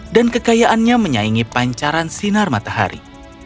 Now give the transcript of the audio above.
dan kekayaannya menyaingi pancaran sinar matahari